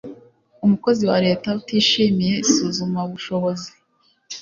umukozi wa leta utishimiye isuzumabushobozi